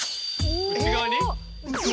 内側に？